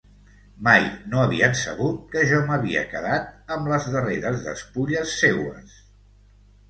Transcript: Mai no havien sabut que jo m'havia quedat amb les darreres despulles seues...